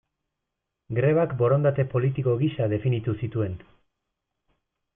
Grebak borondate politiko gisa definitu zituen.